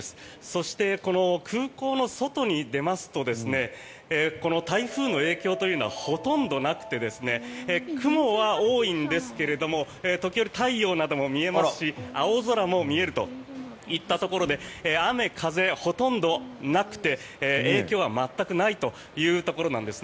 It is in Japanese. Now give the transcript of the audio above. そして、この空港の外に出ますと台風の影響というのはほとんどなくて雲は多いんですけれども時折太陽なども見えますし青空も見えるといったところで雨風ほとんどなくて、影響は全くないというところです。